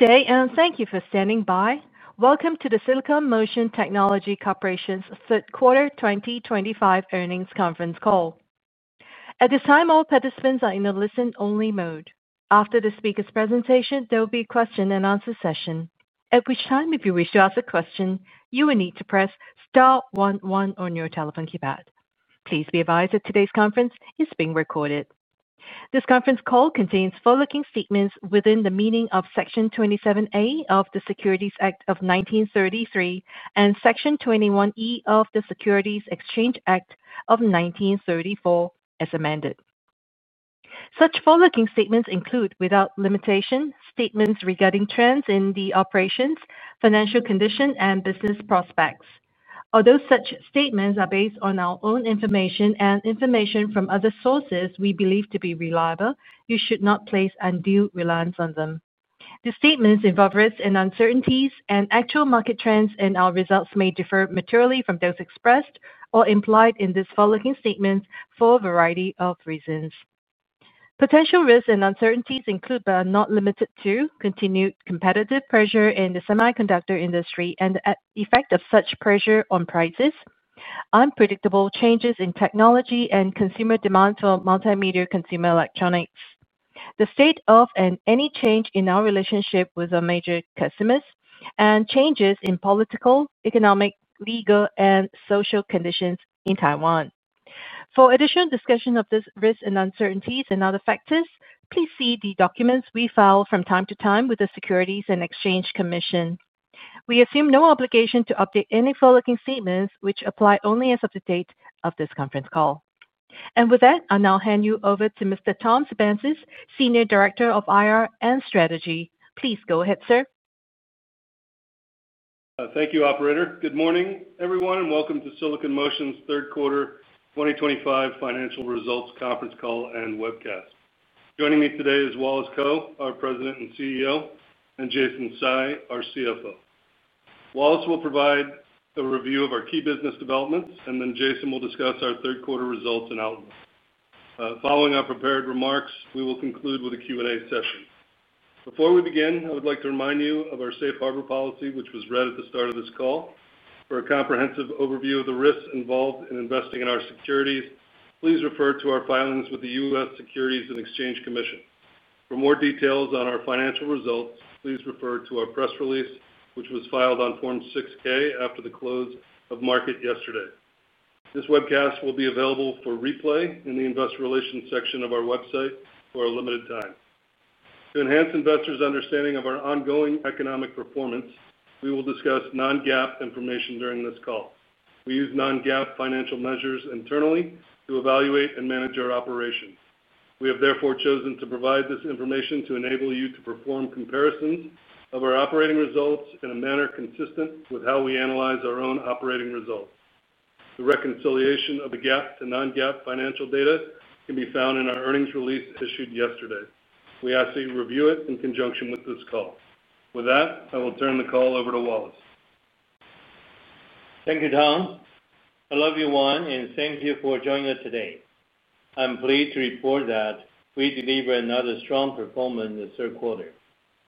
Good day and thank you for standing by. Welcome to the Silicon Motion Technology Corporation's third quarter 2025 earnings conference call. At this time, all participants are in the listen-only mode. After the speaker's presentation, there will be a question-and-answer session. At which time, if you wish to ask a question, you will need to press star one one on your telephone keypad. Please be advised that today's conference is being recorded. This conference call contains forward-looking statements within the meaning of Section 27A of the Securities Act of 1933 and Section 21E of the Securities Exchange Act of 1934, as amended. Such forward-looking statements include, without limitation, statements regarding trends in the operations, financial condition, and business prospects. Although such statements are based on our own information and information from other sources we believe to be reliable, you should not place undue reliance on them. The statements involve risks and uncertainties, and actual market trends and our results may differ materially from those expressed or implied in these forward-looking statements for a variety of reasons. Potential risks and uncertainties include, but are not limited to, continued competitive pressure in the semiconductor industry and the effect of such pressure on prices, unpredictable changes in technology and consumer demand for multimedia consumer electronics, the state of and any change in our relationship with our major customers, and changes in political, economic, legal, and social conditions in Taiwan. For additional discussion of these risks and uncertainties and other factors, please see the documents we file from time to time with the Securities and Exchange Commission. We assume no obligation to update any forward-looking statements, which apply only as of the date of this conference call. With that, I'll now hand you over to Mr. Tom Sepenzis, Senior Director of IR and Strategy. Please go ahead, sir. Thank you, Operator. Good morning, everyone, and welcome to Silicon Motion's third quarter 2025 financial results conference call and webcast. Joining me today is Wallace Kou, our President and CEO, and Jason Tsai, our CFO. Wallace will provide a review of our key business developments, and then Jason will discuss our third quarter results and outlook. Following our prepared remarks, we will conclude with a Q&A session. Before we begin, I would like to remind you of our safe harbor policy, which was read at the start of this call. For a comprehensive overview of the risks involved in investing in our securities, please refer to our filings with the U.S. Securities and Exchange Commission. For more details on our financial results, please refer to our press release, which was filed on Form 6-K after the close of market yesterday. This webcast will be available for replay in the investor relations section of our website for a limited time. To enhance investors' understanding of our ongoing economic performance, we will discuss non-GAAP information during this call. We use non-GAAP financial measures internally to evaluate and manage our operations. We have therefore chosen to provide this information to enable you to perform comparisons of our operating results in a manner consistent with how we analyze our own operating results. The reconciliation of the GAAP to non-GAAP financial data can be found in our earnings release issued yesterday. We ask that you review it in conjunction with this call. With that, I will turn the call over to Wallace. Thank you, Tom. Hello, everyone, and thank you for joining us today. I'm pleased to report that we delivered another strong performance in the third quarter,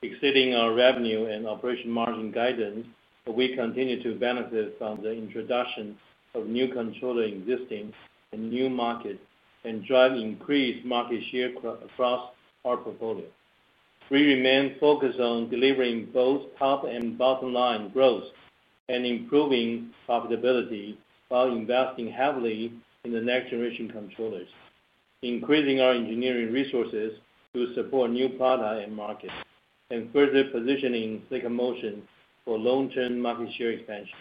exceeding our revenue and operating margin guidance. We continue to benefit from the introduction of new controllers, existing in new markets and driving increased market share across our portfolio. We remain focused on delivering both top and bottom-line growth and improving profitability while investing heavily in the next generation controllers, increasing our engineering resources to support new products and markets, and further positioning Silicon Motion for long-term market share expansion.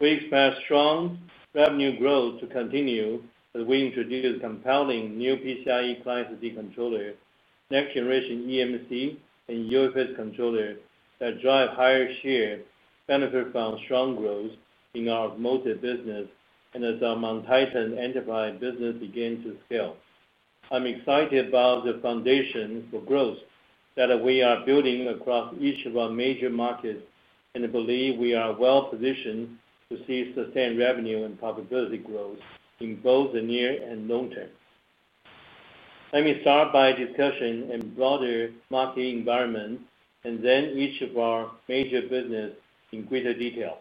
We expect strong revenue growth to continue as we introduce compelling new PCIe Gen5 controllers, next generation eMMC, and UFS controllers that drive higher share, benefit from strong growth in our automotive and industrial sector products business, and as our MonTitan Enterprise storage products business begins to scale. I'm excited about the foundation for growth that we are building across each of our major markets and believe we are well positioned to see sustained revenue and profitability growth in both the near and long term. Let me start by discussing a broader market environment and then each of our major businesses in greater detail.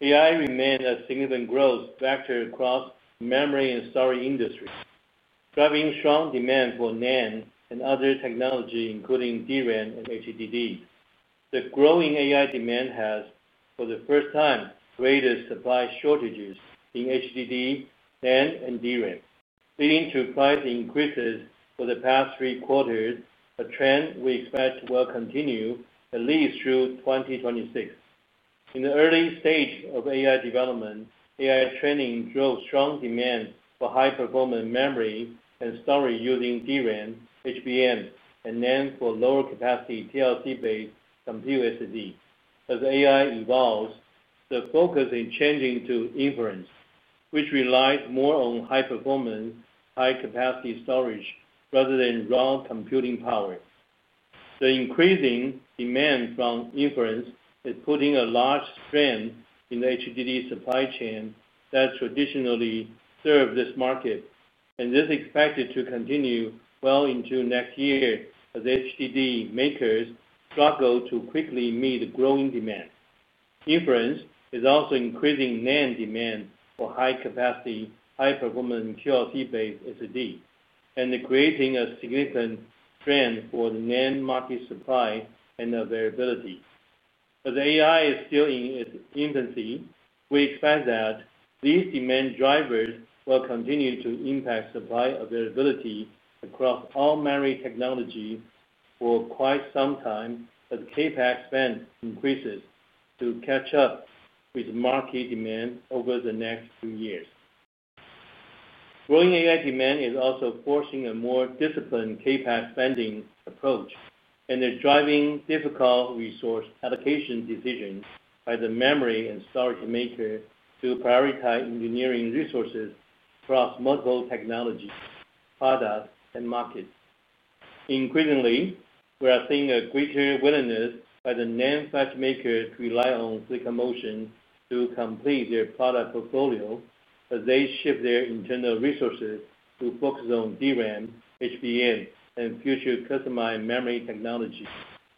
AI-driven demand remains a significant growth factor across memory and storage industries, driving strong demand for NAND and other technologies including DRAM and HDD. The growing AI-driven demand has, for the first time, created supply shortages in HDD, NAND, and DRAM, leading to price increases for the past three quarters, a trend we expect will continue at least through 2026. In the early stage of AI development, AI training drove strong demand for high-performance memory and storage using DRAM, HBM, and NAND for lower-capacity TLC-based compute SSDs. As AI evolves, the focus is changing to inference, which relies more on high-performance, high-capacity storage rather than raw computing power. The increasing demand from inference is putting a large strain on the HDD supply chain that traditionally served this market, and this is expected to continue well into next year as HDD makers struggle to quickly meet growing demand. Inference is also increasing NAND demand for high-capacity, high-performance TLC-based SSDs, and creating a significant strain on the NAND market supply and availability. As AI is still in its infancy, we expect that these demand drivers will continue to impact supply availability across all memory technologies for quite some time as CapEx spend increases to catch up with market demand over the next few years. Growing AI demand is also forcing a more disciplined CapEx spending approach and is driving difficult resource allocation decisions by the memory and storage maker to prioritize engineering resources across multiple technologies, products, and markets. Increasingly, we are seeing a greater willingness by the NAND flash maker to rely on Silicon Motion to complete their product portfolio as they shift their internal resources to focus on DRAM, HBM, and future customized memory technologies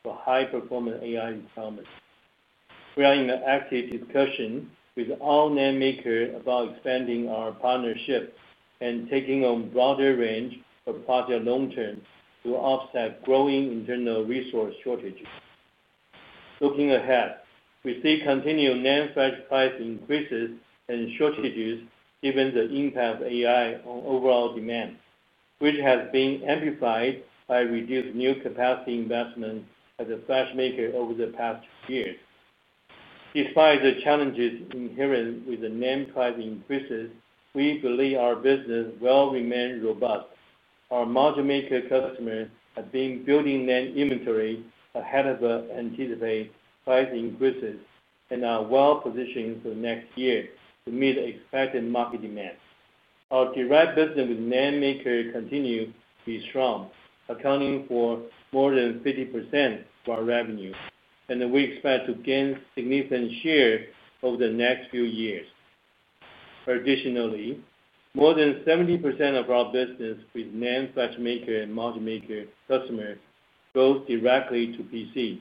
for high-performance AI performance. We are in an active discussion with all NAND makers about expanding our partnership and taking on a broader range of projects long-term to offset growing internal resource shortages. Looking ahead, we see continued NAND flash price increases and shortages given the impact of AI on overall demand, which has been amplified by reduced new capacity investment at the flash maker over the past two years. Despite the challenges inherent with the NAND price increases, we believe our business will remain robust. Our module maker customers have been building NAND inventory ahead of anticipated price increases and are well positioned for next year to meet expected market demand. Our direct business with NAND makers continues to be strong, accounting for more than 50% of our revenue, and we expect to gain significant share over the next few years. Additionally, more than 70% of our business with NAND flash maker and module maker customers goes directly to PCs,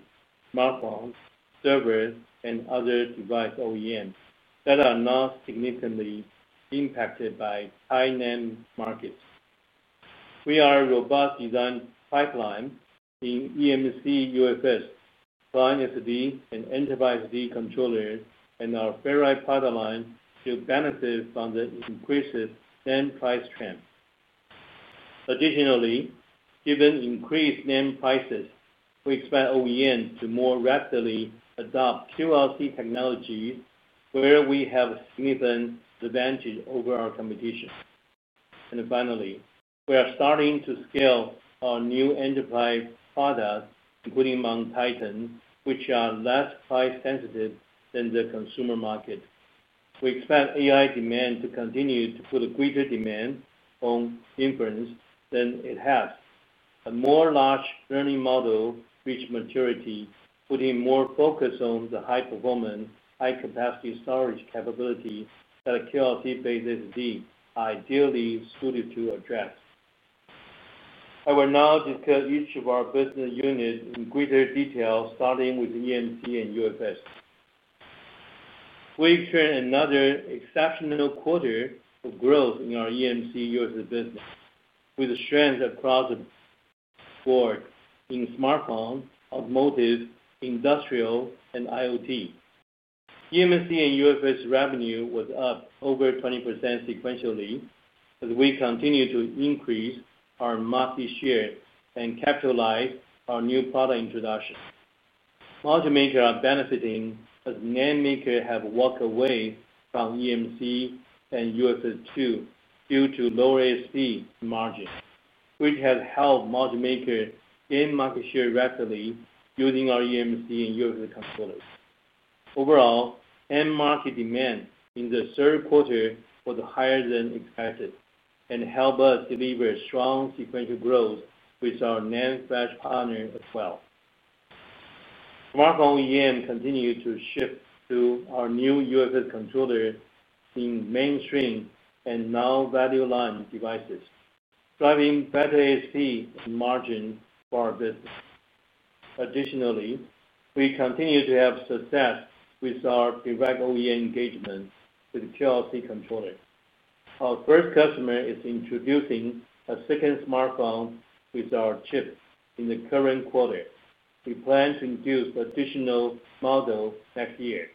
smartphones, servers, and other device OEMs that are not significantly impacted by high NAND markets. We are a robust design pipeline in eMMC, UFS, client SSD, and Enterprise SSD controllers, and our Ferri product line should benefit from the increased NAND price trend. Additionally, given increased NAND prices, we expect OEMs to more rapidly adopt QLC technologies, where we have a significant advantage over our competition. Finally, we are starting to scale our new enterprise products, including MonTitan, which are less price-sensitive than the consumer market. We expect AI demand to continue to put a greater demand on inference than it has. A more large learning model reaches maturity, putting more focus on the high-performance, high-capacity storage capability that a QLC-based SSD ideally is suited to address. I will now discuss each of our business units in greater detail, starting with eMMC and UFS. We experienced another exceptional quarter of growth in our eMMC, UFS business, with strength across the board in smartphone, automotive, industrial, and IoT. eMMC and UFS revenue was up over 20% sequentially as we continue to increase our market share and capitalize on new product introductions. Module makers are benefiting as NAND makers have walked away from eMMC and UFS too due to lower SSD margins, which has helped module makers gain market share rapidly using our eMMC and UFS controllers. Overall, end market demand in the third quarter was higher than expected and helped us deliver strong sequential growth with our NAND flash partner as well. Smartphone OEMs continued to shift to our new UFS controllers in mainstream and now value line devices, driving better SSD and margin for our business. Additionally, we continue to have success with our direct OEM engagement with QLC controllers. Our first customer is introducing a second smartphone with our chip in the current quarter. We plan to introduce an additional model next year.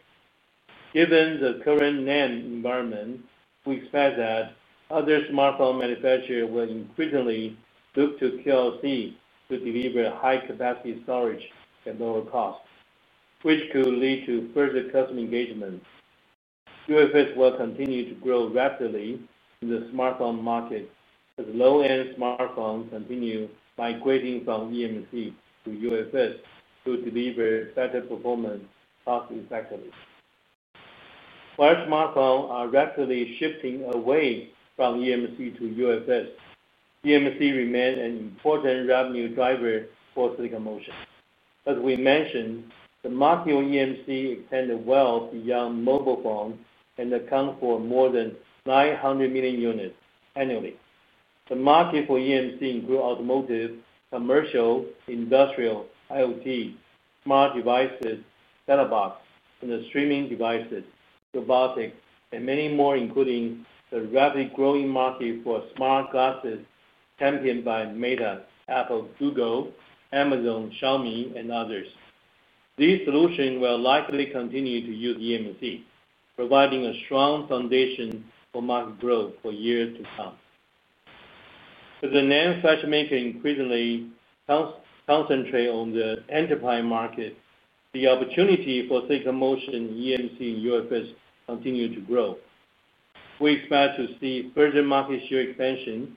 Given the current NAND environment, we expect that other smartphone manufacturers will increasingly look to QLC to deliver high-capacity storage at lower cost, which could lead to further customer engagement. UFS will continue to grow rapidly in the smartphone market as low-end smartphones continue migrating from eMMC to UFS to deliver better performance cost-effectively. While smartphones are rapidly shifting away from eMMC to UFS, eMMC remains an important revenue driver for Silicon Motion. As we mentioned, the market for eMMC extended well beyond mobile phones and accounted for more than 900 million units annually. The market for eMMC includes automotive, commercial, industrial, IoT, smart devices, set-top box, and streaming devices, robotics, and many more, including the rapidly growing market for smart glasses championed by Meta, Apple, Google, Amazon, Xiaomi, and others. These solutions will likely continue to use eMMC, providing a strong foundation for market growth for years to come. As the NAND flash maker increasingly concentrates on the enterprise market, the opportunity for Silicon Motion, eMMC, and UFS continues to grow. We expect to see further market share expansion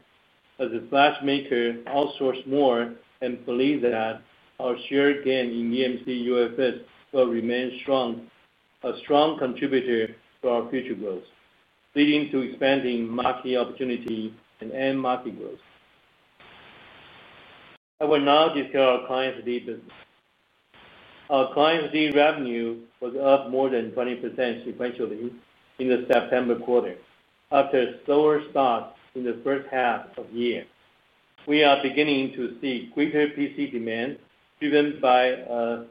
as the flash maker outsources more and believe that our share gain in eMMC, UFS will remain a strong contributor to our future growth, leading to expanding market opportunity and end market growth. I will now discuss our client SSD business. Our client SSD revenue was up more than 20% sequentially in the September quarter after a slower start in the first half of the year. We are beginning to see greater PC demand driven by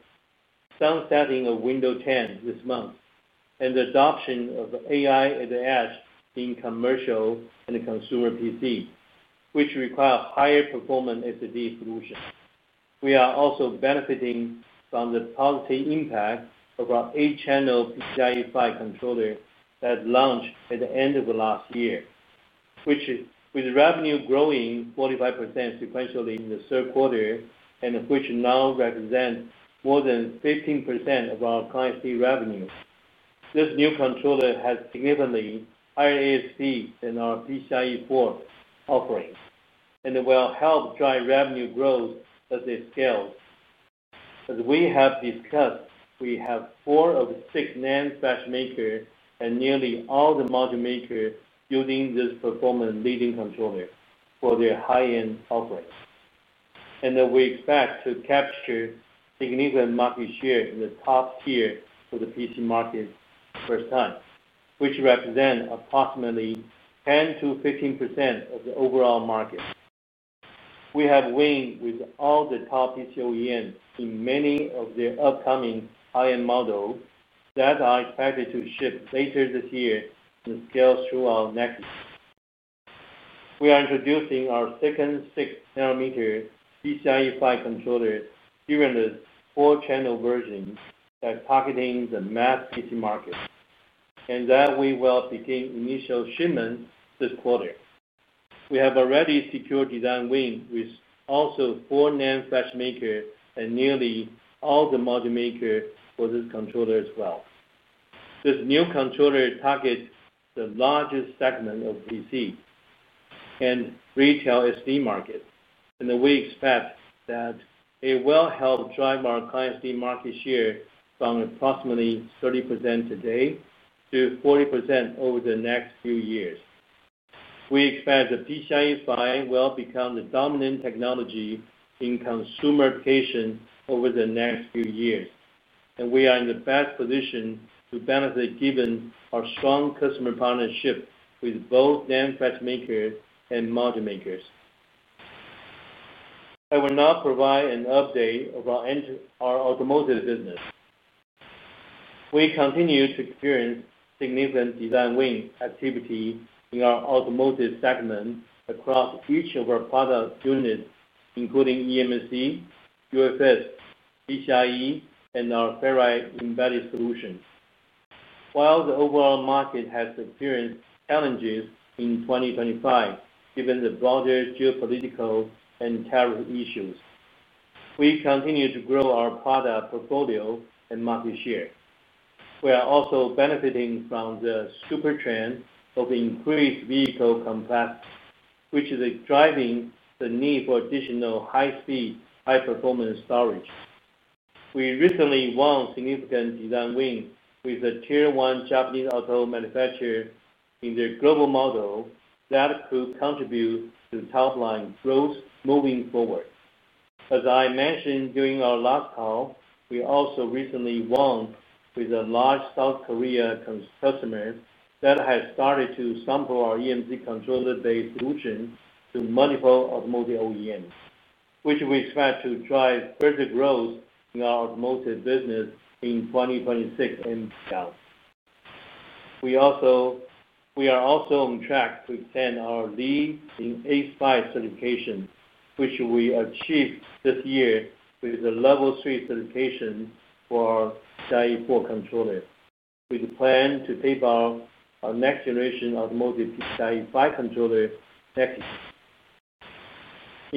sunsetting of Windows 10 this month and the adoption of AI at the edge in commercial and consumer PCs, which require higher performance SSD solutions. We are also benefiting from the positive impact of our eight-channel PCIe Gen5 controller that launched at the end of last year, with revenue growing 45% sequentially in the third quarter and which now represents more than 15% of our client SSD revenue. This new controller has significantly higher SSD performance than our PCIe Gen4 offerings and will help drive revenue growth as it scales. As we have discussed, we have four of six NAND flash makers and nearly all the module makers using this performance-leading controller for their high-end offerings. We expect to capture significant market share in the top tier for the PC market for the first time, which represents approximately 10%-15% of the overall market. We have won with all the top PC OEMs in many of their upcoming high-end models that are expected to ship later this year and scale through next year. We are introducing our second six-nanometer PCIe Gen5 controller during the four-channel version that's targeting the mass PC market and will begin initial shipments this quarter. We have already secured design wins with four NAND flash makers and nearly all the module makers for this controller as well. This new controller targets the largest segment of PC and retail SSD market, and we expect that it will help drive our client SSD market share from approximately 30% today to 40% over the next few years. We expect the PCIe Gen5 will become the dominant technology in consumer applications over the next few years, and we are in the best position to benefit given our strong customer partnership with both NAND flash makers and module makers. I will now provide an update of our automotive business. We continue to experience significant design win activity in our automotive segment across each of our product units, including eMMC, UFS, PCIe, and our firmware embedded solutions. While the overall market has experienced challenges in 2025 given the broader geopolitical and tariff issues, we continue to grow our product portfolio and market share. We are also benefiting from the super trend of increased vehicle complexity, which is driving the need for additional high-speed, high-performance storage. We recently won significant design win with a tier one Japanese auto manufacturer in their global model that could contribute to top-line growth moving forward. As I mentioned during our last call, we also recently won with a large South Korean customer that has started to sample our eMMC controller-based solution to multiple automotive OEMs, which we expect to drive further growth in our automotive business in 2026 and beyond. We are also on track to extend our lead in ASIL certification, which we achieved this year with the level three certification for our PCIe 4.0 controller, with a plan to tape out our next generation automotive PCIe 5.0 controller next year.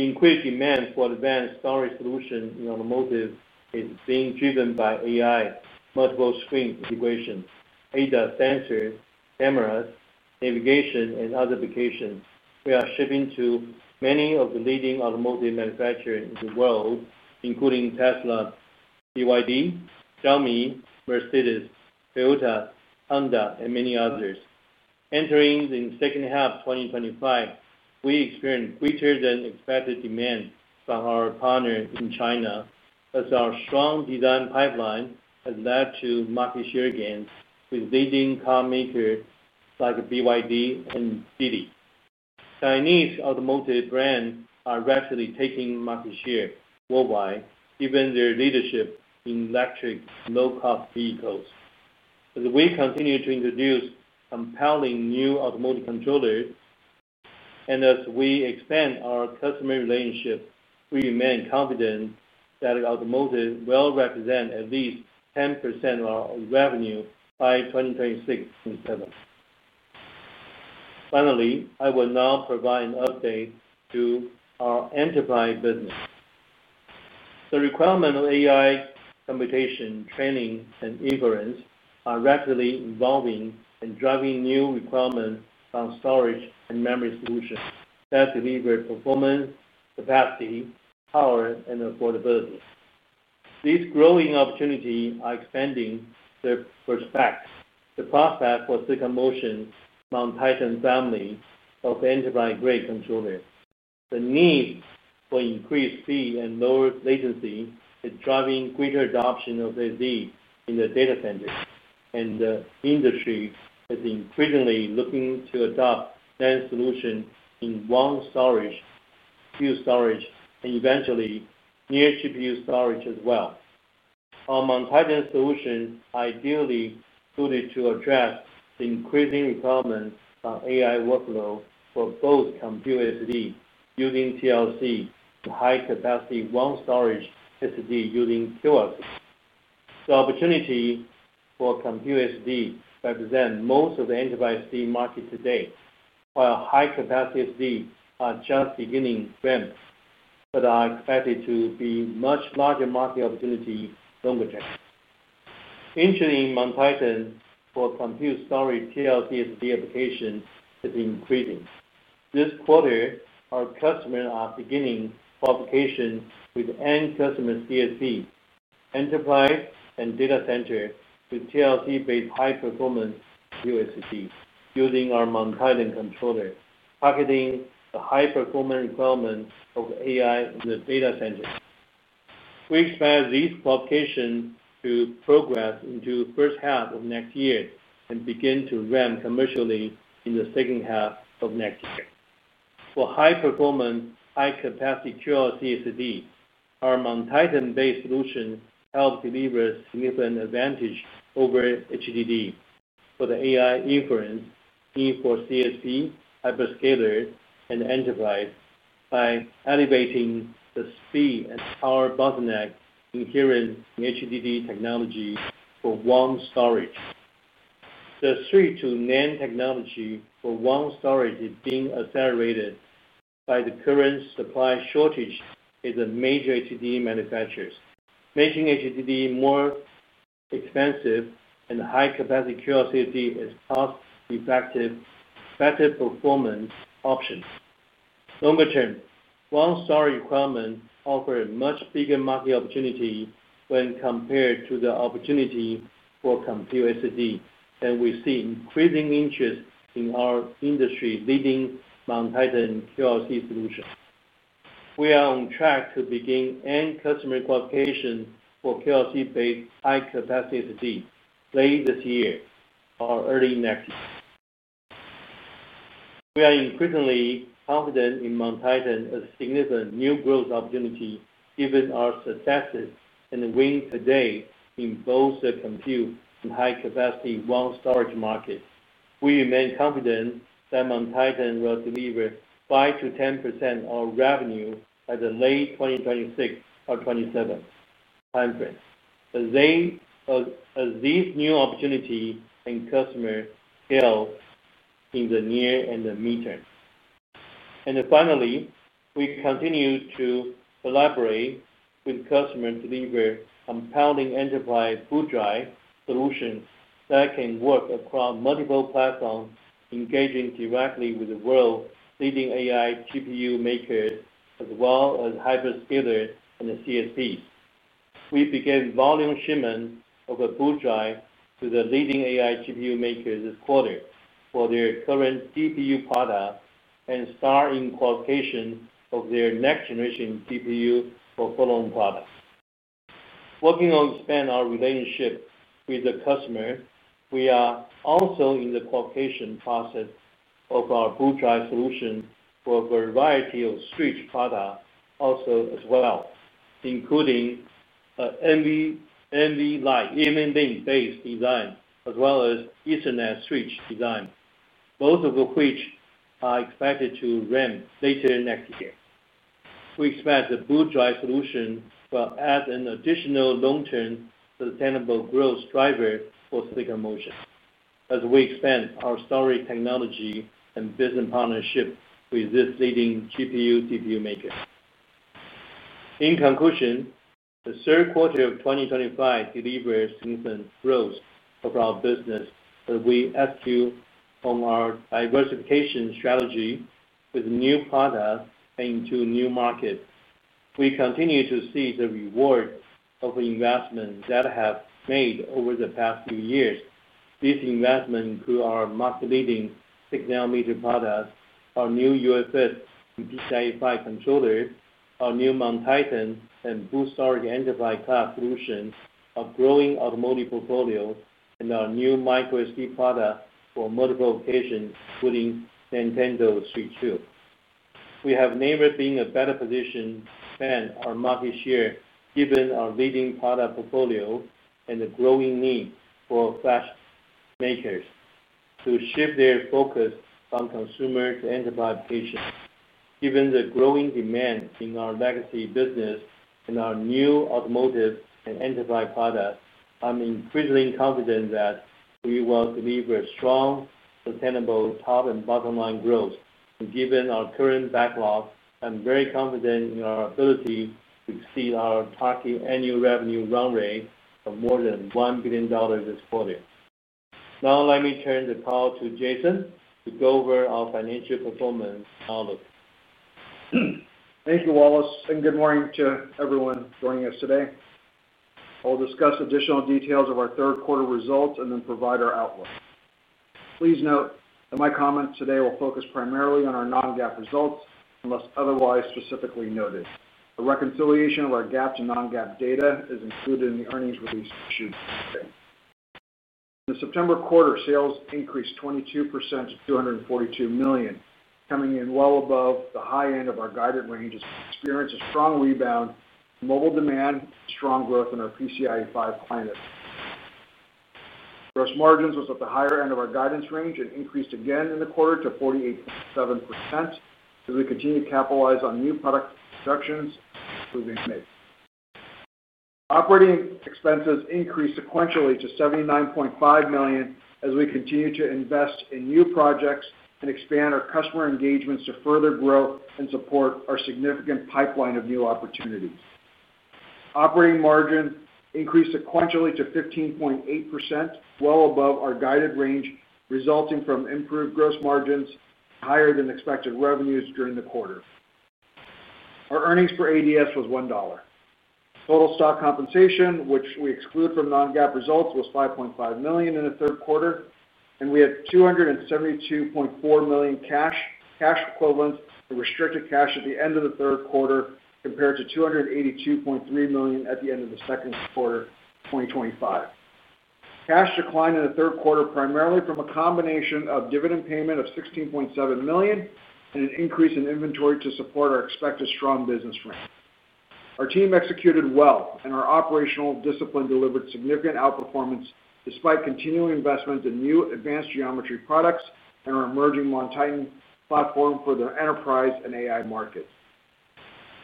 Increased demand for advanced storage solutions in automotive is being driven by AI, multiple screen integration, ADAS sensors, cameras, navigation, and other applications. We are shipping to many of the leading automotive manufacturers in the world, including Tesla, BYD, Xiaomi, Mercedes, Toyota, Honda, and many others. Entering the second half of 2025, we experienced greater than expected demand from our partner in China as our strong design pipeline has led to market share gains with leading car makers like BYD and Geely. Chinese automotive brands are rapidly taking market share worldwide, given their leadership in electric low-cost vehicles. As we continue to introduce compelling new automotive controllers and as we expand our customer relationship, we remain confident that automotive will represent at least 10% of our revenue by 2026-2027. Finally, I will now provide an update to our enterprise business. The requirements of AI computation, training, and inference are rapidly evolving and driving new requirements on storage and memory solutions that deliver performance, capacity, power, and affordability. These growing opportunities are expanding the prospect for Silicon Motion MonTitan family of enterprise-grade controllers. The need for increased speed and lower latency is driving greater adoption of SSDs in the data centers, and the industry is increasingly looking to adopt NAND solutions in WAN storage, GPU storage, and eventually near GPU storage as well. Our MonTitan solution is ideally suited to address the increasing requirement of AI workload for both compute SSDs using TLC and high-capacity WAN storage SSDs using filler. The opportunity for compute SSDs represents most of the Enterprise SSD market today, while high-capacity SSDs are just beginning to emerge, but are expected to be a much larger market opportunity longer term. Interest in MonTitan for compute storage TLC applications is increasing. This quarter, our customers are beginning qualifications with end customer TLC, enterprise, and data center with TLC-based high-performance compute SSDs using our MonTitan controller, targeting the high-performance requirement of AI in the data center. We expect these qualifications to progress into the first half of next year and begin to run commercially in the second half of next year. For high-performance, high-capacity QLC SSDs, our MonTitan-based solution helps deliver a significant advantage over HDD for the AI inference, E4 CSP, hyperscalers, and enterprise by alleviating the speed and power bottleneck inherent in HDD technology for WAN storage. The shift to NAND technology for WAN storage is being accelerated by the current supply shortage in the major HDD manufacturers, making HDD more expensive, and high-capacity QLC SSD is a cost-effective, better performance option. Longer term, WAN storage requirements offer a much bigger market opportunity when compared to the opportunity for compute SSDs, and we see increasing interest in our industry-leading MonTitan QLC solutions. We are on track to begin end customer qualifications for QLC-based high-capacity SSDs late this year or early next year. We are increasingly confident in MonTitan as a significant new growth opportunity given our successes and the win today in both the compute and high-capacity WAN storage market. We remain confident that MonTitan will deliver 5%-10% of our revenue by the late 2026 or 2027 timeframe as these new opportunities and customers scale in the near and the midterm. Finally, we continue to. Collaborate with customers to deliver compelling enterprise boot drive solutions that can work across multiple platforms, engaging directly with the world-leading AI GPU makers as well as hyperscalers and the CSPs. We began volume shipments of a boot drive to the leading AI GPU makers this quarter for their current GPU product and starting qualifications of their next-generation GPU for follow-on products. Working on expanding our relationship with the customer, we are also in the qualification process of our boot drive solution for a variety of switch products, including an NVLink-based design as well as Ethernet switch design, both of which are expected to run later next year. We expect the boot drive solution will add an additional long-term sustainable growth driver for Silicon Motion as we expand our storage technology and business partnership with this leading GPU/TPU maker. In conclusion, the third quarter of 2025 delivers significant growth of our business as we execute on our diversification strategy with new products and into new markets. We continue to see the reward of investment that have been made over the past few years. These investments include our market-leading six-nanometer products, our new UFS and PCIe Gen5 controllers, our new MonTitan and boot storage enterprise-class solutions, our growing automotive portfolio, and our new microSD product for multiple occasions, including Nintendo Switch 2. We have never been in a better position to expand our market share given our leading product portfolio and the growing need for flash makers to shift their focus from consumer to enterprise applications. Given the growing demand in our legacy business and our new automotive and enterprise products, I'm increasingly confident that we will deliver strong, sustainable top and bottom-line growth. Given our current backlog, I'm very confident in our ability to exceed our target annual revenue run rate of more than $1 billion this quarter. Now, let me turn the call to Jason to go over our financial performance outlook. Thank you, Wallace. Good morning to everyone joining us today. I will discuss additional details of our third quarter results and then provide our outlook. Please note that my comments today will focus primarily on our non-GAAP results unless otherwise specifically noted. The reconciliation of our GAAP to non-GAAP data is included in the earnings release issued today. In the September quarter, sales increased 22% to $242 million, coming in well above the high end of our guided range. We experienced a strong rebound, mobile demand, and strong growth in our PCIe Gen5 client. Gross margins were at the higher end of our guidance range and increased again in the quarter to 48.7% as we continue to capitalize on new product productions being made. Operating expenses increased sequentially to $79.5 million as we continue to invest in new projects and expand our customer engagements to further grow and support our significant pipeline of new opportunities. Operating margins increased sequentially to 15.8%, well above our guided range, resulting from improved gross margins and higher than expected revenues during the quarter. Our earnings per ADS was $1. Total stock compensation, which we exclude from non-GAAP results, was $5.5 million in the third quarter, and we had $272.4 million cash equivalents and restricted cash at the end of the third quarter compared to $282.3 million at the end of the second quarter of 2025. Cash declined in the third quarter primarily from a combination of dividend payment of $16.7 million and an increase in inventory to support our expected strong business ramp. Our team executed well, and our operational discipline delivered significant outperformance despite continuing investment in new advanced geometry products and our emerging MonTitan platform for the enterprise and AI-driven demand markets.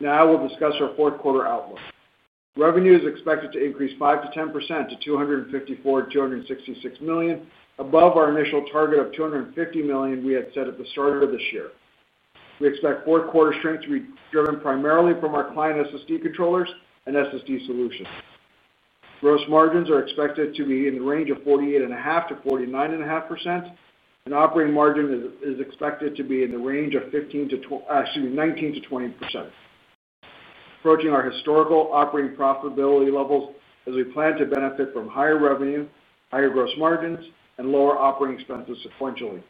Now, we'll discuss our fourth quarter outlook. Revenue is expected to increase 5% -10% to $254 million-$266 million, above our initial target of $250 million we had set at the start of this year. We expect fourth quarter strength to be driven primarily from our client SSD controllers and SSD solutions. Gross margins are expected to be in the range of 48.5%-49.5%, and operating margin is expected to be in the range of 19%-20%, approaching our historical operating profitability levels as we plan to benefit from higher revenue, higher gross margins, and lower operating expenses sequentially.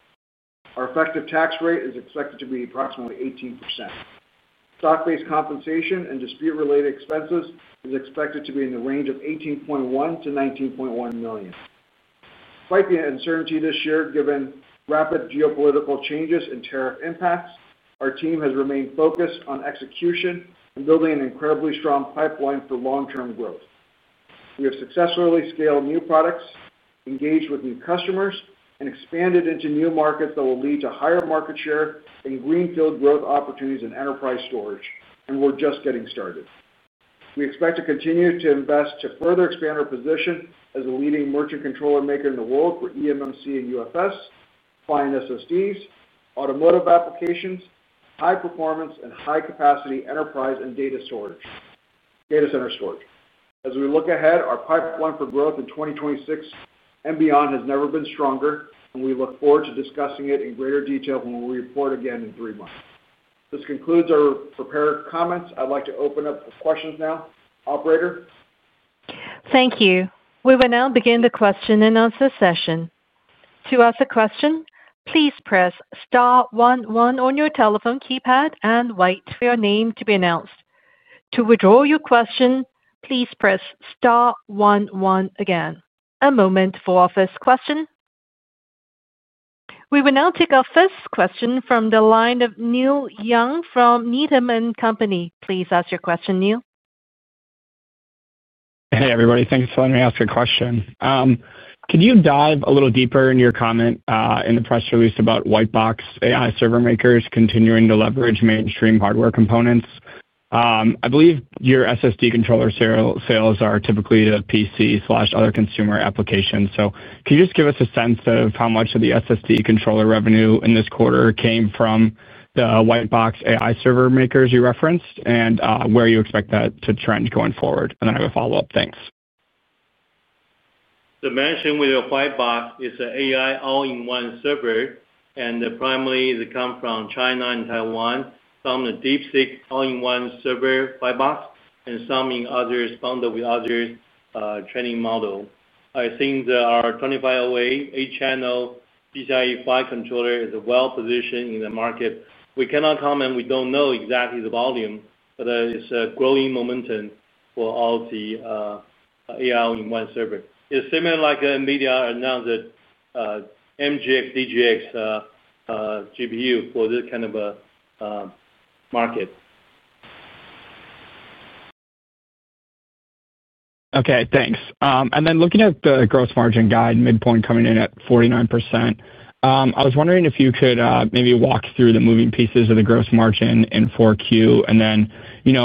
Our effective tax rate is expected to be approximately 18%. Stock-based compensation and dispute-related expenses are expected to be in the range of $18.1 million-$19.1 million. Despite the uncertainty this year, given rapid geopolitical changes and tariff impacts, our team has remained focused on execution and building an incredibly strong pipeline for long-term growth. We have successfully scaled new products, engaged with new customers, and expanded into new markets that will lead to higher market share and greenfield growth opportunities in enterprise storage, and we're just getting started. We expect to continue to invest to further expand our position as a leading merchant controller maker in the world for eMMC and UFS, client SSDs, automotive applications, high-performance, and high-capacity enterprise and data storage, data center storage. As we look ahead, our pipeline for growth in 2026 and beyond has never been stronger, and we look forward to discussing it in greater detail when we report again in three months. This concludes our prepared comments. I'd like to open up for questions now, Operator. Thank you. We will now begin the question and answer session. To ask a question, please press star one one on your telephone keypad and wait for your name to be announced. To withdraw your question, please press star one one again. A moment for our first question. We will now take our first question from the line of Neil Young from Needham & Company. Please ask your question, Neil. Hey, everybody. Thanks for letting me ask a question. Could you dive a little deeper into your comment in the press release about white-box AI server makers continuing to leverage mainstream hardware components? I believe your SSD controller sales are typically to PC/other consumer applications. Can you just give us a sense of how much of the SSD controller revenue in this quarter came from the white-box AI server makers you referenced, and where you expect that to trend going forward? I have a follow-up. Thanks. The mention with the white-box is an AI all-in-one server, and the primary comes from China and Taiwan, some in the deep-sea all-in-one server white-box and some in others bundled with others, training model. I think the SM2508 eight-channel PCIe Gen5 controller is well positioned in the market. We cannot comment. We don't know exactly the volume, but it's a growing momentum for all the AI all-in-one server. It's similar like NVIDIA announced the MGX DGX GPU for this kind of a market. Okay. Thanks. Looking at the gross margin guide, midpoint coming in at 49%, I was wondering if you could maybe walk through the moving pieces of the gross margin in 4Q.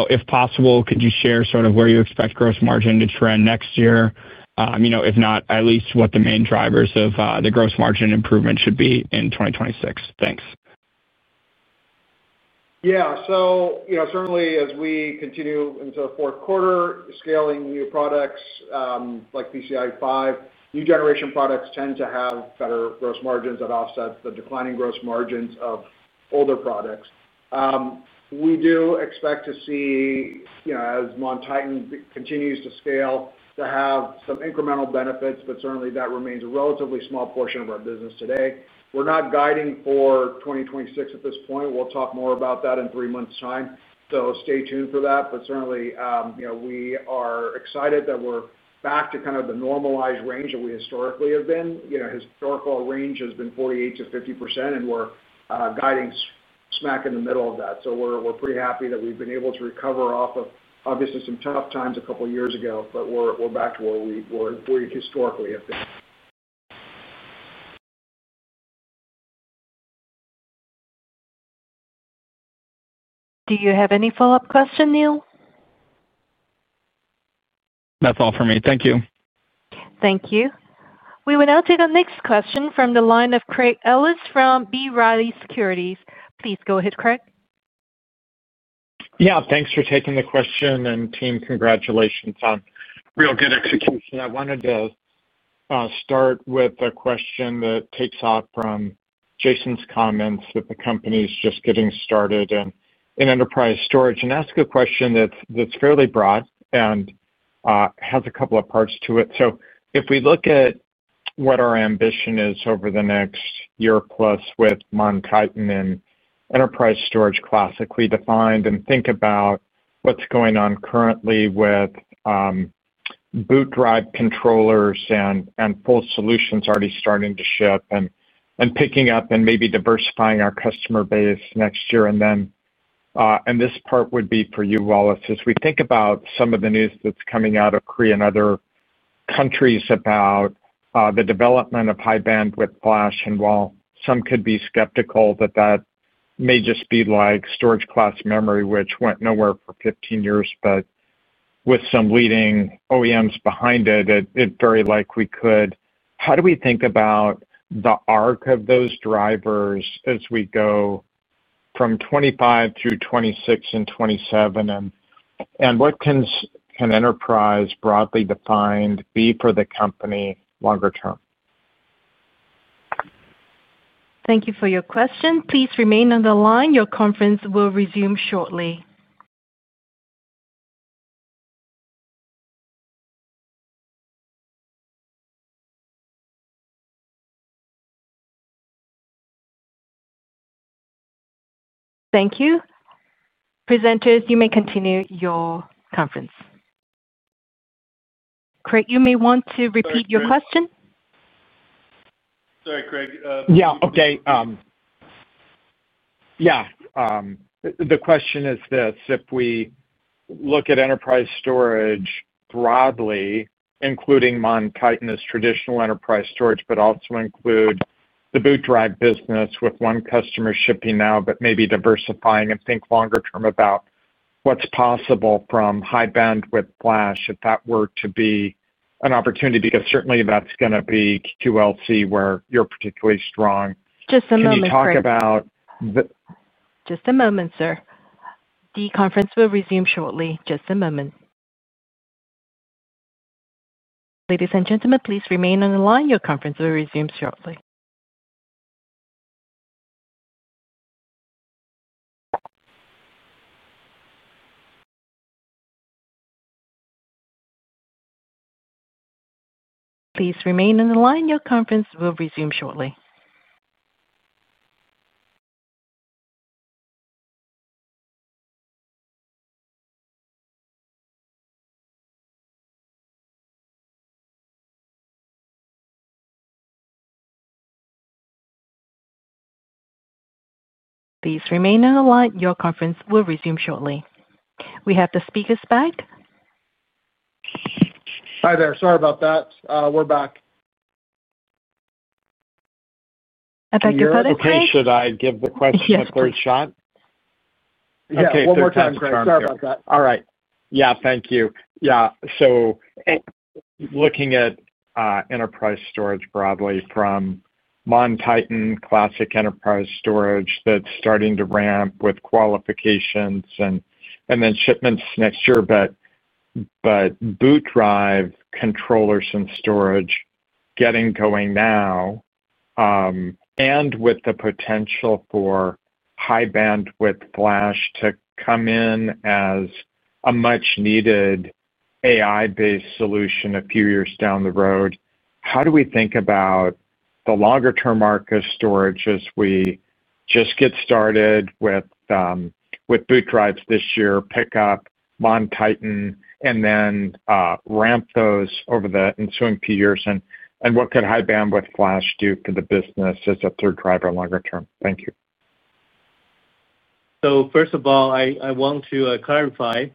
If possible, could you share sort of where you expect gross margin to trend next year? If not, at least what the main drivers of the gross margin improvement should be in 2026. Thanks. Yeah. Certainly as we continue into the fourth quarter, scaling new products like PCIe Gen5, new generation products tend to have better gross margins that offset the declining gross margins of older products. We do expect to see, as MonTitan continues to scale, to have some incremental benefits, but certainly that remains a relatively small portion of our business today. We're not guiding for 2026 at this point. We'll talk more about that in three months' time. Stay tuned for that. Certainly, we are excited that we're back to kind of the normalized range that we historically have been. Historical range has been 48% t-50%, and we're guiding smack in the middle of that. We're pretty happy that we've been able to recover off of, obviously, some tough times a couple of years ago, but we're back to where we historically have been. Do you have any follow-up question, Neil? That's all for me. Thank you. Thank you. We will now take our next question from the line of Craig Ellis from B. Riley Securities. Please go ahead, Craig. Yeah. Thanks for taking the question. Team, congratulations on real good execution. I wanted to start with a question that takes off from Jason's comments that the company's just getting started in enterprise storage and ask a question that's fairly broad and has a couple of parts to it. If we look at what our ambition is over the next year plus with MonTitan and enterprise storage classically defined and think about what's going on currently with boot drive controllers and full solutions already starting to ship and picking up and maybe diversifying our customer base next year. This part would be for you, Wallace, as we think about some of the news that's coming out of Korea and other countries about the development of high bandwidth flash. While some could be skeptical that that may just be like storage class memory, which went nowhere for 15 years, with some leading OEMs behind it, it very likely could. How do we think about the arc of those drivers as we go from 2025 to 2026 and 2027? What can enterprise broadly defined be for the company longer term? Thank you for your question. Please remain on the line. Your conference will resume shortly. Thank you. Presenters, you may continue your conference. Craig, you may want to repeat your question. Sorry, Craig. Yeah. Okay. Yeah. The question is this: if we look at enterprise storage broadly, including MonTitan as traditional enterprise storage, but also include the boot drive business with one customer shipping now, but maybe diversifying and think longer term about what's possible from high bandwidth flash if that were to be an opportunity, because certainly that's going to be QLC where you're particularly strong. Just a moment, sir. Can you talk about the. Just a moment, sir. The conference will resume shortly. Just a moment. Ladies and gentlemen, please remain on the line. Your conference will resume shortly. Please remain on the line. Your conference will resume shortly. Please remain on the line. Your conference will resume shortly. We have the speakers back. Hi there. Sorry about that. We're back. Okay. Should I give the question a third shot? Okay. One more time, Craig. Sorry about that. All right. Yeah. Thank you. Yeah. So, looking at enterprise storage broadly from MonTitan classic enterprise storage that's starting to ramp with qualifications and then shipments next year, but boot drive controllers and storage getting going now, and with the potential for high bandwidth flash to come in as a much-needed AI-based solution a few years down the road, how do we think about the longer-term market storage as we just get started with boot drives this year, pick up MonTitan, and then ramp those over the ensuing few years? What could high bandwidth flash do for the business as a third driver longer term? Thank you. First of all, I want to clarify.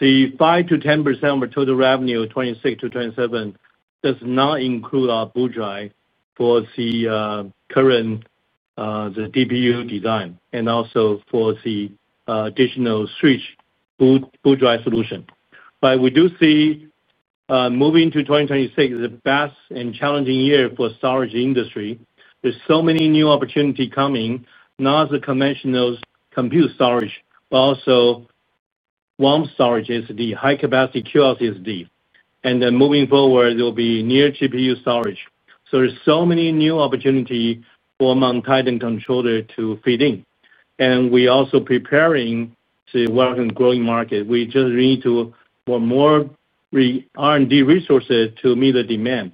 The 5%-10% of our total revenue, 2026 to 2027, does not include our boot drive for the current DPU design and also for the additional switch boot drive solution. We do see moving to 2026 is a fast and challenging year for the storage industry. There are so many new opportunities coming, not as a conventional compute storage, but also warm storage SSD, high-capacity QLC SSD. Moving forward, there will be near GPU storage. There are so many new opportunities for MonTitan controller to fit in. We are also preparing to work in a growing market. We just need to have more R&D resources to meet the demand.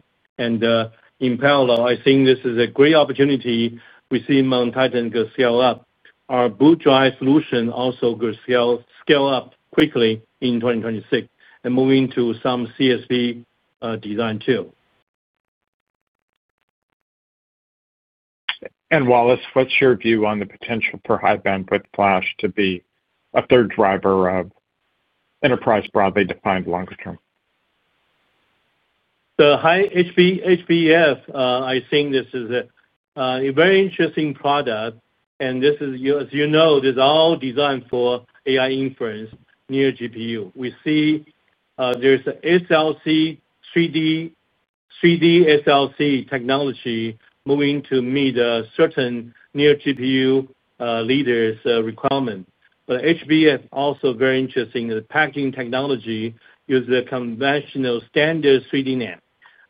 In parallel, I think this is a great opportunity. We see MonTitan go scale up. Our boot drive solution also goes scale up quickly in 2026 and moving to some CSV design too. Wallace, what's your view on the potential for high bandwidth flash to be a third driver of enterprise broadly defined longer term? The high HBF, I think this is a very interesting product. This is, as you know, all designed for AI inference near GPU. We see there's an SLC 3D, 3D SLC technology moving to meet certain near GPU leaders' requirements. HBF is also very interesting in the packaging technology using the conventional standard 3D NAND.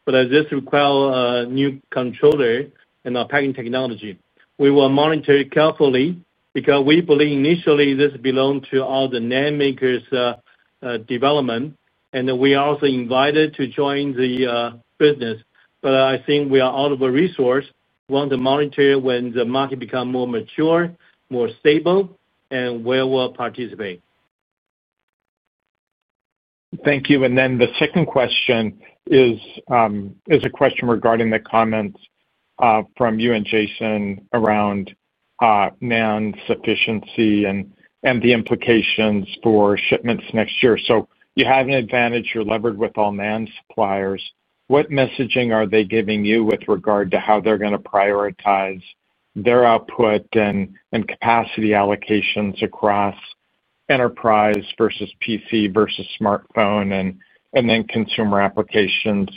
As this requires new controllers and our packaging technology, we will monitor it carefully because we believe initially this belongs to all the NAND makers' development. We are also invited to join the business. I think we are all of a resource. We want to monitor when the market becomes more mature, more stable, and we will participate. Thank you. The second question is regarding the comments from you and Jason around NAND sufficiency and the implications for shipments next year. You have an advantage. You're levered with all NAND suppliers. What messaging are they giving you with regard to how they're going to prioritize their output and capacity allocations across enterprise versus PC versus smartphone and then consumer applications?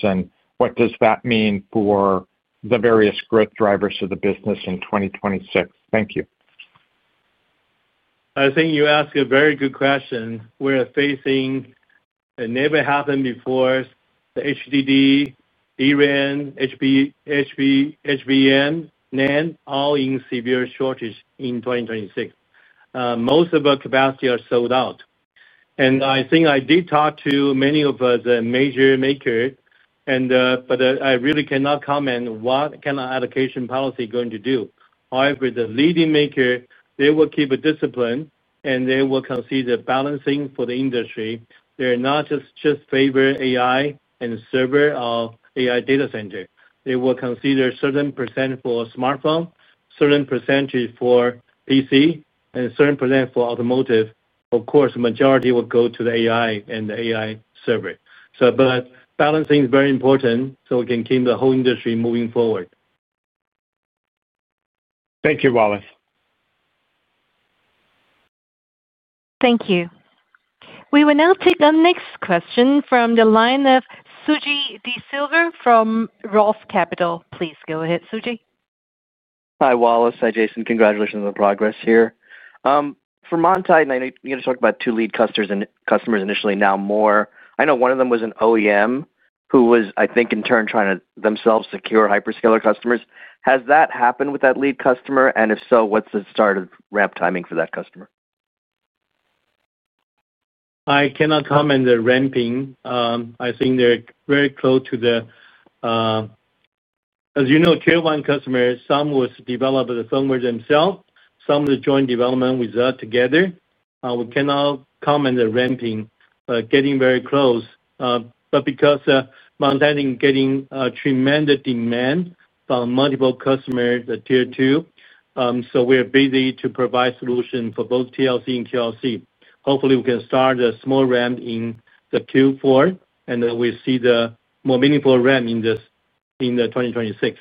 What does that mean for the various growth drivers of the business in 2026? Thank you. I think you asked a very good question. We're facing a never-happened-before, the HDD, DRAM, HP, HBM, NAND, all in severe shortage in 2026. Most of our capacity are sold out. I did talk to many of the major makers, but I really cannot comment on what kind of allocation policy is going to do. However, the leading maker, they will keep a discipline, and they will consider balancing for the industry. They're not just favoring AI and server or AI data center. They will consider a certain % for smartphone, a certain percentage for PC, and a certain percenage for automotive. Of course, the majority will go to the AI and the AI server. Balancing is very important so we can keep the whole industry moving forward. Thank you, Wallace. Thank you. We will now take our next question from the line of Suji DeSilva from ROTH Capital. Please go ahead, Suji. Hi, Wallace. Hi, Jason. Congratulations on the progress here. For MonTitan, I know you had talked about two lead customers initially, now more. I know one of them was an OEM who was, I think, in turn trying to themselves secure hyperscaler customers. Has that happened with that lead customer? If so, what's the start of ramp timing for that customer? I cannot comment on the ramping. I think they're very close to the, as you know, tier one customers. Some were developed with the firmware themselves, some with joint development with us together. We cannot comment on the ramping, getting very close, but because MonTitan is getting a tremendous demand from multiple customers, the tier two, we're busy to provide solutions for both TLC and QLC. Hopefully, we can start a small ramp in Q4, and then we see the more meaningful ramp in 2026.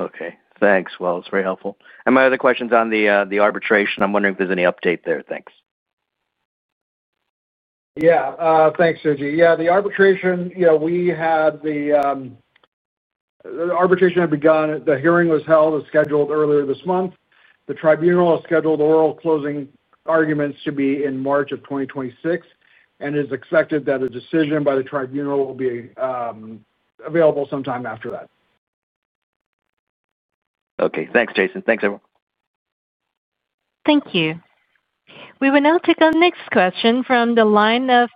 Okay. Thanks, Wallace. Very helpful. My other question's on the arbitration. I'm wondering if there's any update there. Thanks. Yeah, thanks, Suji. The arbitration, you know, the arbitration had begun. The hearing was held, was scheduled earlier this month. The tribunal has scheduled oral closing arguments to be in March of 2026, and it is expected that a decision by the tribunal will be available sometime after that. Okay. Thanks, Jason. Thanks, everyone. Thank you. We will now take our next question from the line of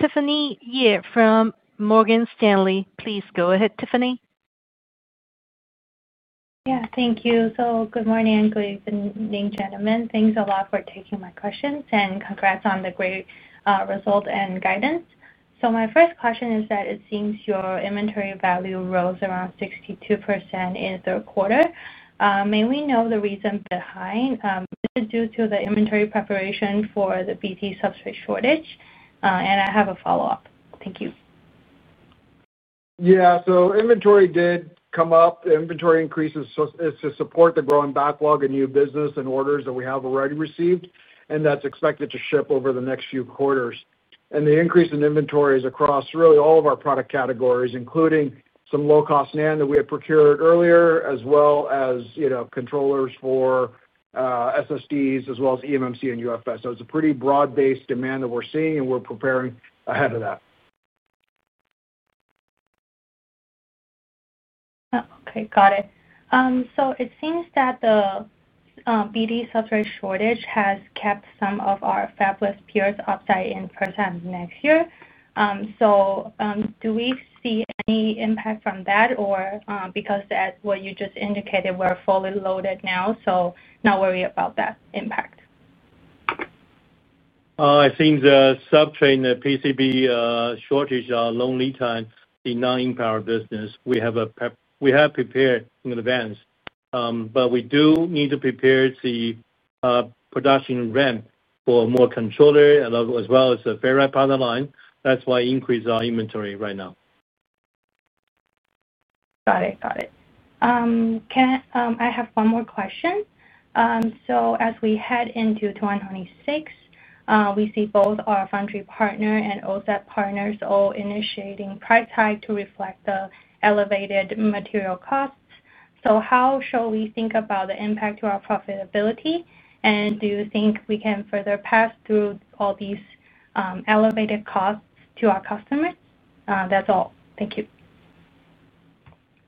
Tiffany Yeh from Morgan Stanley. Please go ahead, Tiffany. Yeah. Thank you. Good morning, good evening, gentlemen. Thanks a lot for taking my questions and congrats on the great result and guidance. My first question is that it seems your inventory value rose around 62% in the third quarter. May we know the reason behind? Is it due to the inventory preparation for the BT substrates shortage? I have a follow-up. Thank you. Yeah. Inventory did come up. Inventory increases are to support the growing backlog of new business and orders that we have already received, and that's expected to ship over the next few quarters. The increase in inventory is across really all of our product categories, including some low-cost NAND that we had procured earlier, as well as controllers for SSDs, as well as eMMC and UFS. It's a pretty broad-based demand that we're seeing, and we're preparing ahead of that. Okay. Got it. It seems that the BT substrates shortage has kept some of our fabless peers upside in percent next year. Do we see any impact from that, or because that's what you just indicated, we're fully loaded now, so not worry about that impact? It seems the substrate and the PCB shortage, long lead time did not impact our business. We have prepared in advance, but we do need to prepare the production ramp for more controllers as well as a ferrite product line. That's why we increased our inventory right now. Got it. Got it. Can I, I have one more question. As we head into 2026, we see both our foundry partner and OSAT partners all initiating price tag to reflect the elevated material costs. How shall we think about the impact to our profitability, and do you think we can further pass through all these elevated costs to our customers? That's all. Thank you.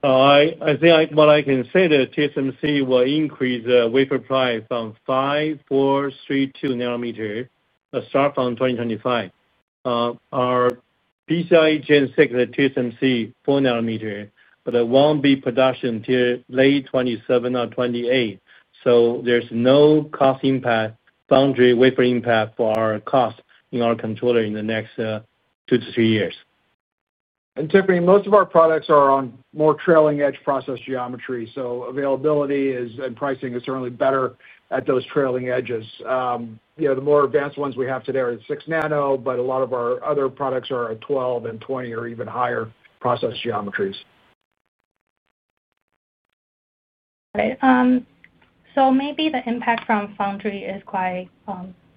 I think what I can say is that TSMC will increase the wafer price from 5 nm,4 nm, 3 nm, 2 nm to start from 2025. Our PCIe Gen5, the TSMC 4 nm, but it won't be production till late 2027 or 2028. There's no cost impact, foundry wafer impact for our cost in our controller in the next two to three years. And Tiffany, most of our products are on more trailing edge process geometry. So availability is, and pricing is certainly better at those trailing edges. You know, the more advanced ones we have today are the 6 nm, but a lot of our other products are 12 nm and 20 nm or even higher process geometries. Right. Maybe the impact from foundry is quite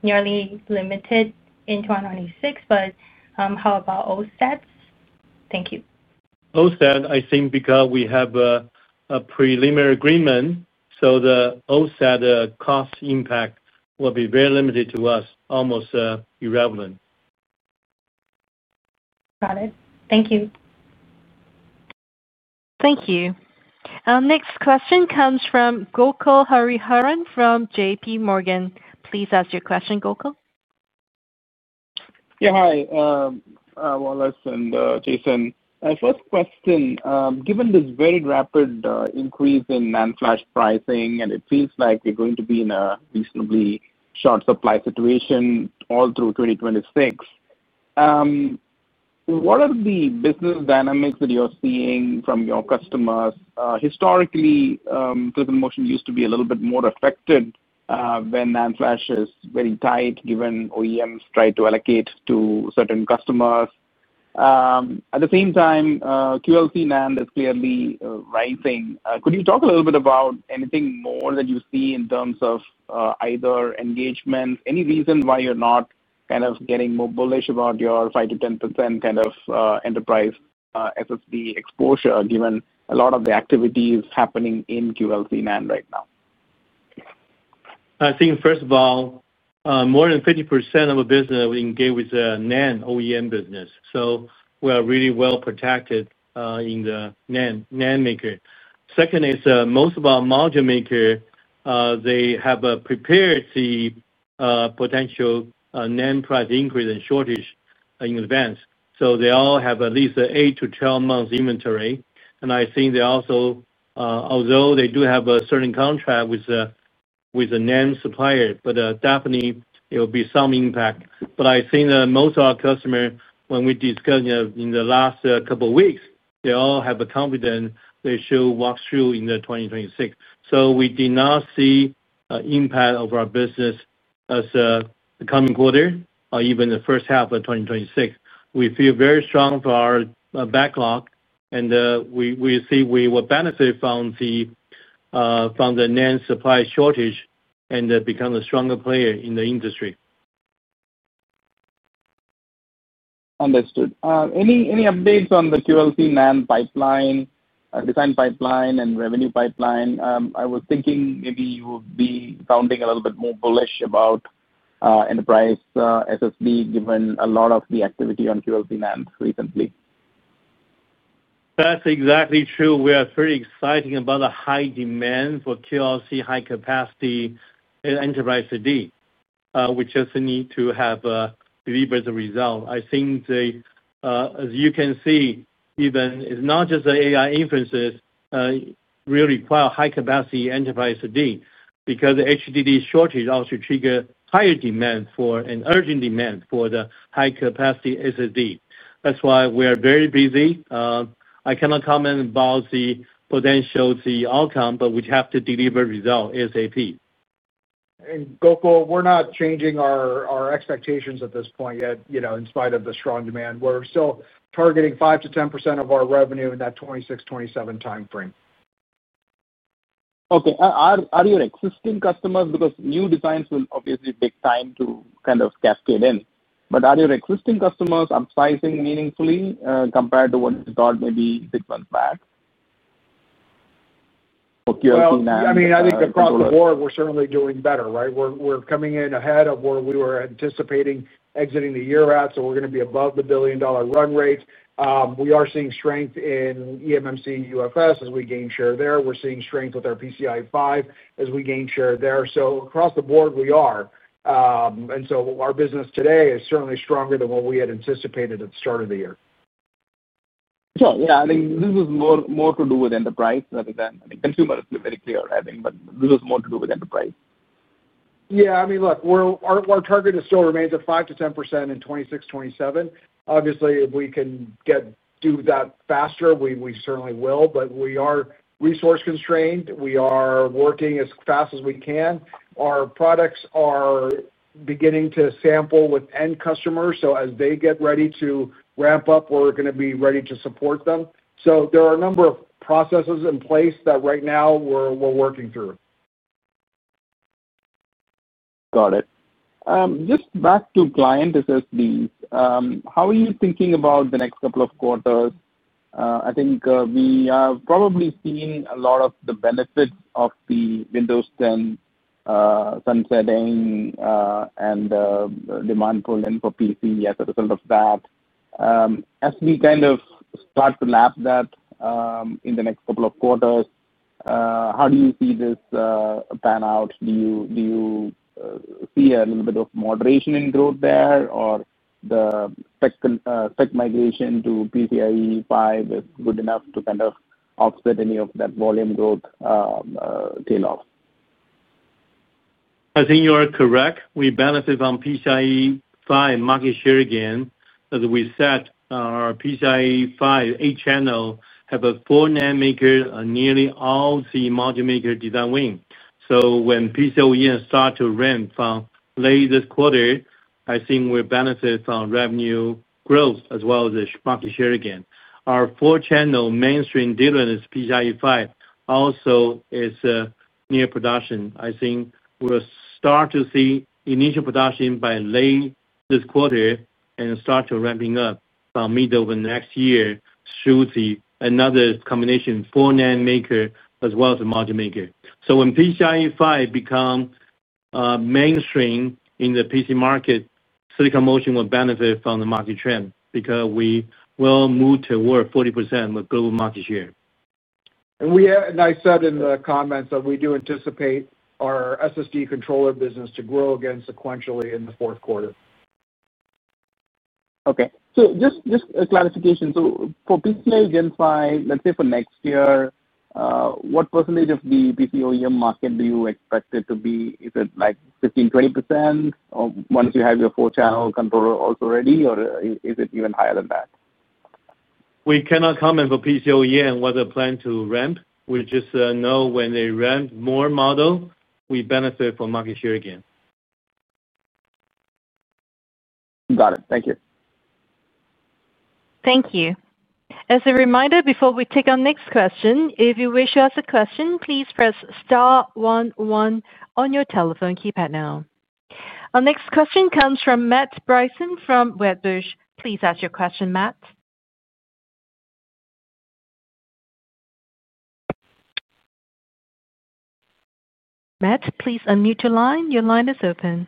nearly limited in 2026, but how about OSAT? Thank you. OSAT, I think because we have a preliminary agreement, so the OSAT cost impact will be very limited to us, almost irrelevant. Got it. Thank you. Thank you. Next question comes from Gokul Hariharan from JPMorgan. Please ask your question, Gokul. Yeah. Hi, Wallace and Jason. First question, given this very rapid increase in NAND flash pricing, and it feels like we're going to be in a reasonably short supply situation all through 2026. What are the business dynamics that you're seeing from your customers? Historically, Silicon Motion used to be a little bit more affected when NAND flash is very tight, given OEMs try to allocate to certain customers. At the same time, QLC NAND is clearly rising. Could you talk a little bit about anything more that you see in terms of either engagement? Any reason why you're not kind of getting more bullish about your 5%-10% kind of Enterprise SSD exposure, given a lot of the activities happening in QLC NAND right now? I think first of all, more than 50% of our business, we engage with the NAND OEM business. We are really well protected in the NAND, NAND maker. Second is, most of our module maker, they have prepared the potential NAND price increase and shortage in advance. They all have at least 8 to 12 months inventory. I think they also, although they do have a certain contract with the NAND supplier, definitely there will be some impact. I think that most of our customers, when we discussed in the last couple of weeks, they all have a confidence they should walk through in 2026. We do not see an impact of our business as the coming quarter or even the first half of 2026. We feel very strong for our backlog, and we see we will benefit from the NAND supply shortage and become a stronger player in the industry. Understood. Any updates on the QLC NAND pipeline, design pipeline, and revenue pipeline? I was thinking maybe you would be sounding a little bit more bullish about Enterprise SSD, given a lot of the activity on QLC NAND recently. That's exactly true. We are pretty excited about the high demand for QLC high-capacity Enterprise SSD, which has a need to have a deliberate result. I think, as you can see, even it's not just the AI inferences, really require high-capacity Enterprise SSD because the HDD shortage also triggers higher demand for an urgent demand for the high-capacity SSD. That's why we are very busy. I cannot comment about the potential, the outcome, but we have to deliver result ASAP. Gokul, we're not changing our expectations at this point yet, you know, in spite of the strong demand. We're still targeting 5%-10% of our revenue in that 2026, 2027 timeframe. Okay. Are your existing customers, because new designs will obviously take time to kind of cascade in, but are your existing customers upsizing meaningfully, compared to what you thought maybe six months back for QLC NAND? I think across the board, we're certainly doing better, right? We're coming in ahead of where we were anticipating exiting the year at, so we're going to be above the billion-dollar run rate. We are seeing strength in eMMC UFS as we gain share there. We're seeing strength with our PCIe Gen5 as we gain share there. Across the board, we are, and our business today is certainly stronger than what we had anticipated at the start of the year. I think this is more to do with enterprise rather than consumer, to be very clear, but this is more to do with enterprise. I mean, look, our target still remains at 5%-10% in 2026, 2027. Obviously, if we can do that faster, we certainly will, but we are resource constrained. We are working as fast as we can. Our products are beginning to sample with end customers. As they get ready to ramp up, we're going to be ready to support them. There are a number of processes in place that right now we're working through. Just back to client SSDs, how are you thinking about the next couple of quarters? I think we have probably seen a lot of the benefits of the Windows 10 sunsetting and demand pulling for PC as a result of that. As we kind of start to lap that in the next couple of quarters, how do you see this pan out? Do you see a little bit of moderation in growth there or the spec migration to PCIe 5 is good enough to offset any of that volume growth tail off? I think you are correct. We benefit from PCIe Gen5 market share. Again, as we said, our PCIe Gen5 eight channel have a 4 nm and nearly all the module maker design win. When PCIe start to ramp from late this quarter, I think we benefit from revenue growth as well as the market share. Our four-channel mainstream dealing is PCIe Gen5, also is near production. I think we'll start to see initial production by late this quarter and start ramping up from mid of next year through the combination of 4 nanometer as well as the module maker. When PCIe Gen5 becomes mainstream in the PC market, Silicon Motion will benefit from the market trend because we will move toward 40% of the global market share. As I said in the comments, we do anticipate our SSD controller business to grow again sequentially in the fourth quarter. Just a clarification. For PCIe Gen5, let's say for next year, what percentage of the PC OEM market do you expect it to be? Is it like 15%, 20% or once you have your 4 channel controller also ready, or is it even higher than that? We cannot comment for PC OEM whether plan to ramp. We just know when they ramp more model, we benefit from market share again. Got it. Thank you. Thank you. As a reminder, before we take our next question, if you wish to ask a question, please press star one one on your telephone keypad now. Our next question comes from Matt Bryson from Wedbush. Please ask your question, Matt. Matt, please unmute your line. Your line is open.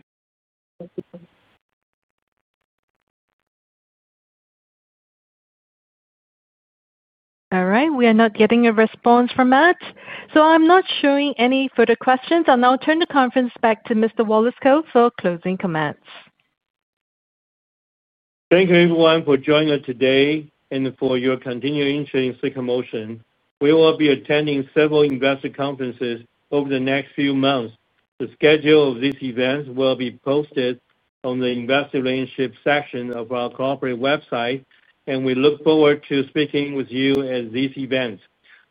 All right. We are not getting a response from Matt. I'm not showing any further questions. I'll now turn the conference back to Mr. Wallace Kou for closing comments. Thank you everyone for joining us today and for your continuing sharing Silicon Motion. We will be attending several investor conferences over the next few months. The schedule of these events will be posted on the investor relations section of our corporate website, and we look forward to speaking with you at these events.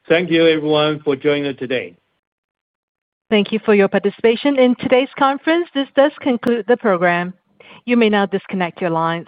Thank you everyone for joining us today. Thank you for your participation in today's conference. This does conclude the program. You may now disconnect your lines.